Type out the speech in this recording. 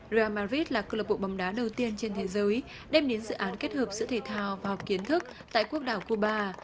real madrid là club bộ bóng đá đầu tiên trên thế giới đem đến dự án kết hợp giữa thể thao và học kiến thức tại quốc đảo cuba